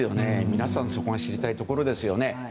皆さん、そこが知りたいところですよね。